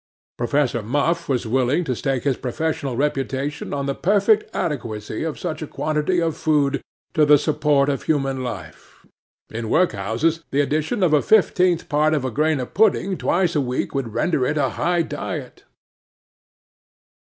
'PROFESSOR MUFF was willing to stake his professional reputation on the perfect adequacy of such a quantity of food to the support of human life—in workhouses; the addition of the fifteenth part of a grain of pudding twice a week would render it a high diet.